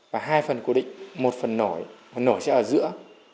và hai phần cố định một phần nổi và nổi sẽ ở giữa